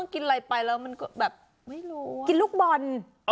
กินลูกบอล